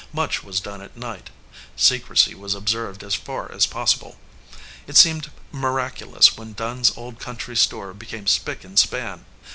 Much was done at night. Secrecy was observed as far as possible. It seemed miraculous when Dunn s old country store became spick and span.